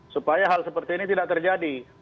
supaya hal seperti ini tidak terjadi